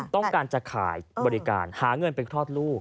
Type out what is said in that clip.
ต้องการจะขายบริการหาเงินไปคลอดลูก